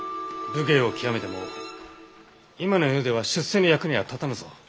武芸を極めても今の世では出世の役には立たぬぞ。